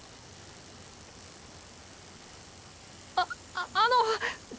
ああのっ